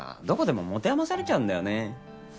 どこでも持て余されちゃうんだよね。